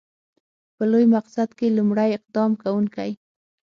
په لوی مقصد کې لومړی اقدام کوونکی.